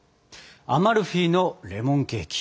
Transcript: アマルフィのレモンケーキ。